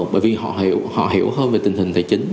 bởi vì họ hiểu hơn về tình hình tài chính